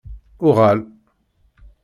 UƔal!